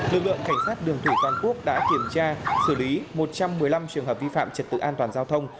lực lượng cảnh sát đường thủy toàn quốc đã kiểm tra xử lý một trăm một mươi năm trường hợp vi phạm trật tự an toàn giao thông